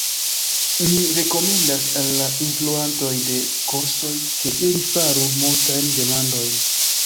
Mi rekomendas al la instruantoj de kursoj, ke, ili faru multajn demandojn.